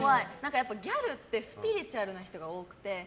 ギャルってスピリチュアルな人が多くて。